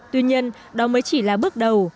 tuy nhiên đó mới chỉ là bước đầu